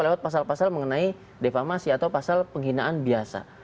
lewat pasal pasal mengenai defamasi atau pasal penghinaan biasa